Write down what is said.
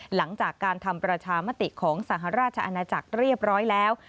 หลังจากการทำประชามติของสหราชอาณาจักรเรียบร้อยแล้ว